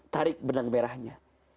tarik benang merahnya